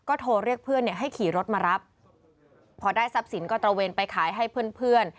โทรเรียกเพื่อนเนี่ยให้ขี่รถมารับพอได้ทรัพย์สินก็ตระเวนไปขายให้เพื่อนเพื่อน